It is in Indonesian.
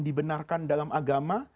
dibenarkan dalam agama